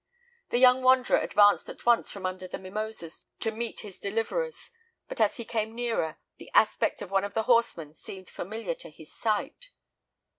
The young wanderer advanced at once from under the mimosas to meet his deliverers; but as he came nearer, the aspect of one of the horsemen seemed familiar to his sight.